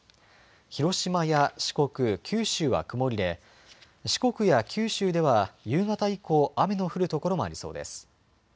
広島や四国、九州は曇りで四国や九州では夕方以降、雨の降る所もありそうです。